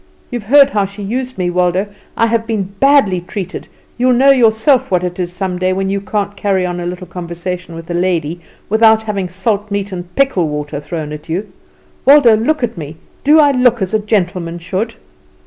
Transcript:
"You've heard how she used me, Waldo? I've been badly treated; you'll know yourself what it is some day when you can't carry on a little conversation with a lady without having salt meat and pickle water thrown at you. Waldo, look at me; do I look as a gentleman should?"